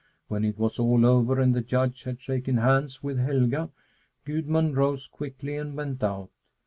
When it was all over and the Judge had shaken hands with Helga, Gudmund rose quickly and went out.